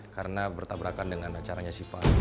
karena bertabrakan dengan acaranya syifa